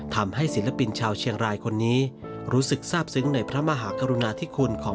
ศิลปินชาวเชียงรายคนนี้รู้สึกทราบซึ้งในพระมหากรุณาธิคุณของ